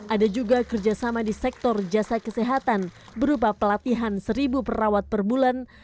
ada juga kerjasama di sektor jasa kesehatan berupa pelatihan seribu perawat per bulan